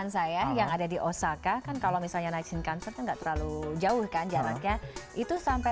saya yang ada di osaka kan kalau misalnya night in concert nggak terlalu jauh kan jaraknya itu sampai